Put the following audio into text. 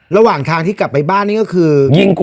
ระหว่างทางที่กลับไปบ้านนี่ก็คือ